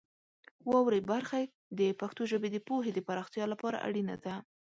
واورئ برخه د پښتو ژبې د پوهې د پراختیا لپاره اړینه ده.